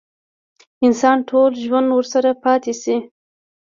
انسان ټول ژوند ورسره پاتې شي.